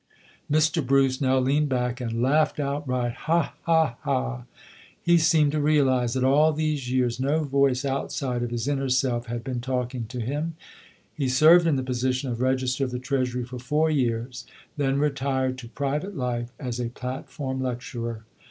Mr. Bruce now leaned back and laughed out right, "Ha! ha! ha!" He seemed to realize that all these years no voice outside of his inner self had been talking to him. He served in the position of Register of the Treasury for four years, then retired to private life as a platform lecturer.